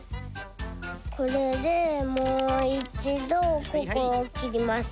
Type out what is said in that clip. これでもういちどここをきります。